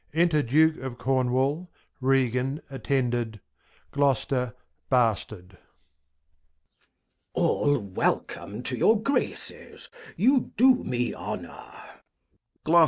Enter Duke of Cornwal, Regan, attended; Gloster, Bastard. Glost. All Welcome to your Graces, you do me Honour. Duke.